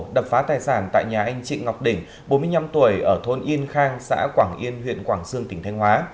đập phá tài sản tại nhà anh chị ngọc đỉnh bốn mươi năm tuổi ở thôn yên khang xã quảng yên huyện quảng sương tỉnh thanh hóa